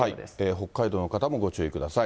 北海道の方もご注意ください。